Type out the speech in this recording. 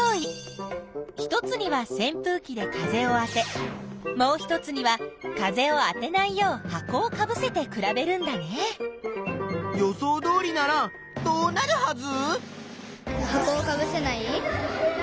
１つには扇風機で風をあてもう１つには風をあてないよう箱をかぶせて比べるんだね。予想どおりならどうなるはず？